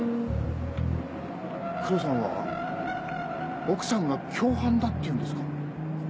黒さんは奥さんが共犯だっていうんですか？